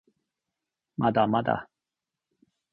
まだまだ